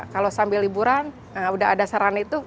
kalau sambil hiburan sudah ada sarana itu kita bisa